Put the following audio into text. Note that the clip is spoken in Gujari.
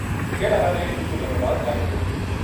کیل ہالاں نے اُتو مظفرآباد چلا چھُڑیو